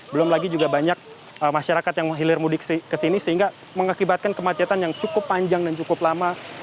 belum lagi juga banyak masyarakat yang menghilir mudik ke sini sehingga mengakibatkan kemacetan yang cukup panjang dan cukup lama